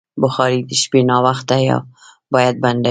بخاري د شپې ناوخته باید بنده شي.